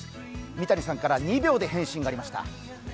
三谷さんから２秒で返信がありました。